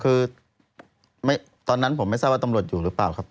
คือตอนนั้นผมไม่ทราบว่าตำรวจอยู่หรือเปล่าครับ